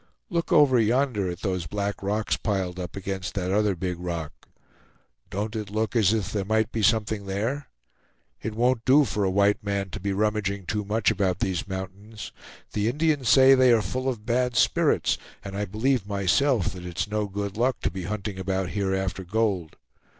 Look over yonder at those black rocks piled up against that other big rock. Don't it look as if there might be something there? It won't do for a white man to be rummaging too much about these mountains; the Indians say they are full of bad spirits; and I believe myself that it's no good luck to be hunting about here after gold.